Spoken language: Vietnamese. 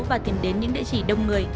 và tìm đến những địa chỉ đông người